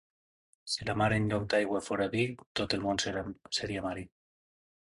Si la mar en lloc d'aigua fora vi... tot el món seria marí.